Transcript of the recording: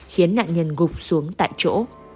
khiến nạn nhân gục xuống tại chỗ